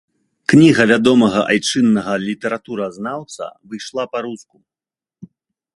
Кніга вядомага айчыннага літаратуразнаўца выйшла па-руску.